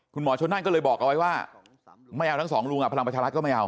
คุณหมอชนนั่นก็เลยบอกเอาไว้ว่าไม่เอาทั้งสองลุงพลังประชารัฐก็ไม่เอา